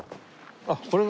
あっこれが。